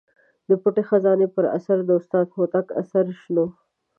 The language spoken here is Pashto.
د پټې خزانې پر اثر د استاد هوتک اثر شنو.